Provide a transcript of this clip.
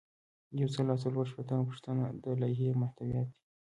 یو سل او څلور شپیتمه پوښتنه د لایحې محتویات دي.